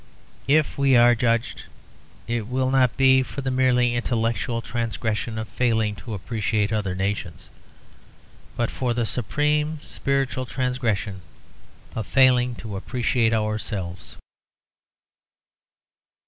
If we are judged, it will not be for the merely intellectual transgression of failing to appreciate other nations, but for the supreme spiritual transgression of failing to appreciate ourselves.